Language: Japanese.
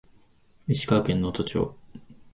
石川県能登町